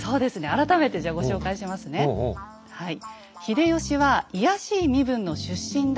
改めてじゃご紹介しますねはい。